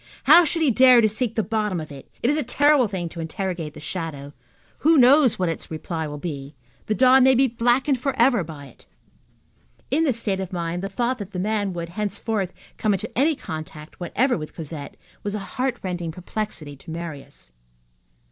How should he dare to seek the bottom of it? It is a terrible thing to interrogate the shadow. Who knows what its reply will be? The dawn may be blackened forever by it. In this state of mind the thought that that man would, henceforth, come into any contact whatever with Cosette was a heartrending perplexity to Marius.